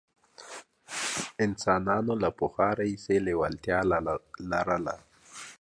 انسانانو له پخوا راهیسې لېوالتیا لرله.